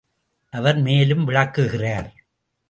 அவர் மேலும் விளக்குகிறார்.